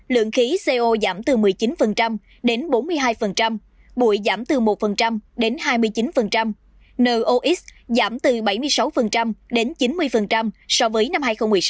lượng khí co giảm từ một mươi chín đến bốn mươi hai bụi giảm từ một đến hai mươi chín nox giảm từ bảy mươi sáu đến chín mươi so với năm hai nghìn một mươi sáu